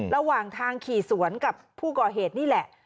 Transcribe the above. ระหว่างทางขี่สวนกับผู้ก่อเหตุนี่แหละ